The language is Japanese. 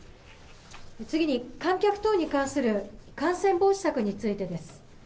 次に観客等に関する感染防止策についてです。